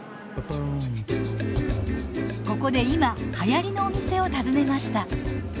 ここで今はやりのお店を訪ねました。